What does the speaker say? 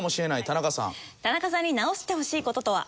田中さんに直してほしい事とは？